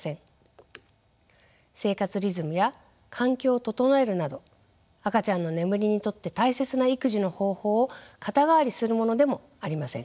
生活リズムや環境を整えるなど赤ちゃんの眠りにとって大切な育児の方法を肩代わりするものでもありません。